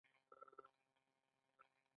په اتلانتیک کې ورته وضعیت په افریقا کې و.